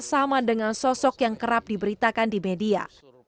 sama dengan sosok yang kerap diberitakan di media